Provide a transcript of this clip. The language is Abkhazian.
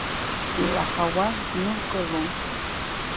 Илаҳауаз гәнылкылон.